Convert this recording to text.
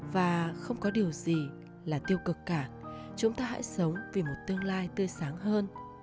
và không có điều gì là tiêu cực cả chúng ta hãy sống vì một tương lai tươi sáng hơn